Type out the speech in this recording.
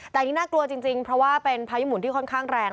แต่อันนี้น่ากลัวจริงเพราะว่าเป็นพายุหมุนที่ค่อนข้างแรง